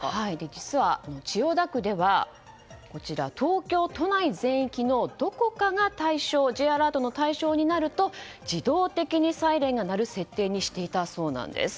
実は、千代田区では東京都内全域のどこかがＪアラートの対象になると自動的にサイレンが鳴る設定にしていたそうなんです。